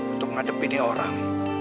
untuk ngadepin dia orang